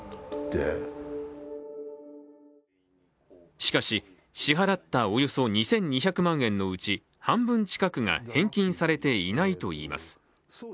しかし、支払ったおよそ２２００万円のうち半分近くが返金されていないといいます。